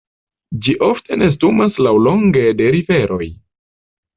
Ĝi ofte nestumas laŭlonge de riveroj.